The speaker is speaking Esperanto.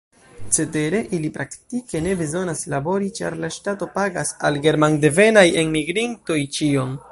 Cetere, ili praktike ne bezonas labori, ĉar la ŝtato pagas al germandevenaj enmigrintoj ĉion.